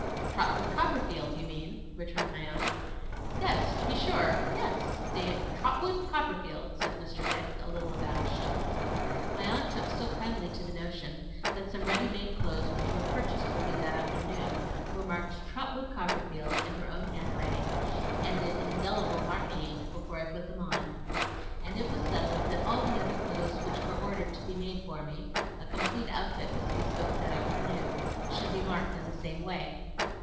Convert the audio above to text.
'Trotwood Copperfield, you mean,' returned my aunt. 'Yes, to be sure. Yes. Trotwood Copperfield,' said Mr. Dick, a little abashed. My aunt took so kindly to the notion, that some ready made clothes, which were purchased for me that afternoon, were marked 'Trotwood Copperfield', in her own handwriting, and in indelible marking ink, before I put them on; and it was settled that all the other clothes which were ordered to be made for me (a complete outfit was bespoke that afternoon) should be marked in the same way.